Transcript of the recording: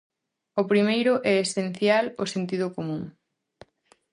O primeiro e esencial, o sentido común.